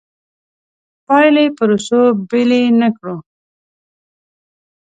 پایلې پروسو بېلې نه کړو.